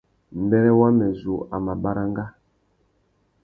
Mbêrê wamê zu a mà baranga.